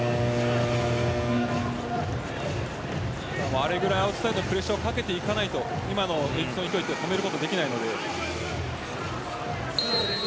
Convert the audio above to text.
あれぐらいアウトサイドにプレッシャーをかけていかないと今のエジプトを止めることはできないので。